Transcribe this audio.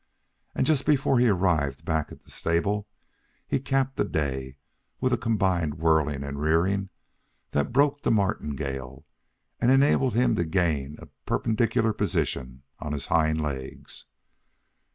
And just before he arrived back at the stable he capped the day with a combined whirling and rearing that broke the martingale and enabled him to gain a perpendicular position on his hind legs.